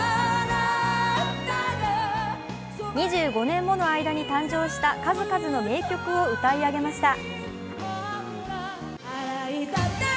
２５年もの間に誕生した数々の名曲を歌い上げました。